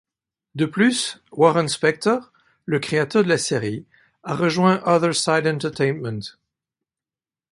De plus Warren Spector, le créateur de la série, a rejoint Otherside Entertainment.